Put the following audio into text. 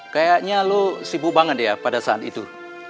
kayaknya lo sibuk banget ya pada saat itu